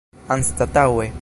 anstataŭe